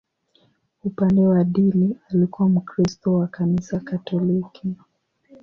Upande wa dini, alikuwa Mkristo wa Kanisa Katoliki.